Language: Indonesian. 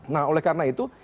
nah oleh karena itu